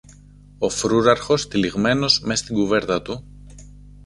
ο φρούραρχος, τυλιγμένος μες στην κουβέρτα του